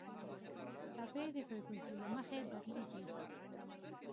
څپې د فریکونسۍ له مخې بدلېږي.